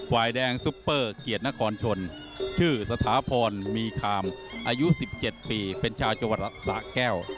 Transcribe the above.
ฝ่ายแดงซุปเปอร์เกียรตินครชนชื่อสถาพรมีคามอายุ๑๗ปีเป็นชาวจังหวัดสะแก้ว